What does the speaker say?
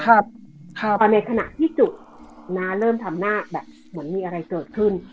เพราะในขณะที่จุดน้าเริ่มทำหน้าแบบเหมือนมีอะไรเกิดขึ้น